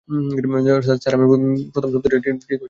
Sir, আমি প্রথম শব্দটা ঠিক বুঝতে পারছি না।